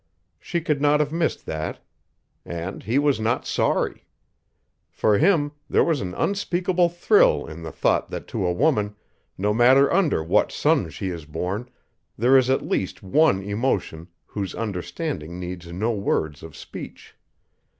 She could not have missed that. And he was not sorry. For him. there was an unspeakable thrill in the thought that to a woman, no matter under what sun she is born, there is at least one emotion whose understanding needs no words of speech.